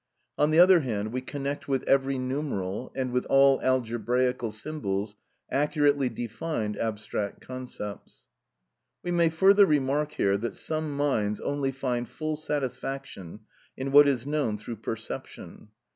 On the other hand, we connect with every numeral, and with all algebraical symbols, accurately defined abstract concepts. We may further remark here that some minds only find full satisfaction in what is known through perception.